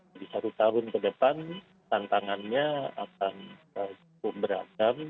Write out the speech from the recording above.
jadi satu tahun ke depan tantangannya akan beragam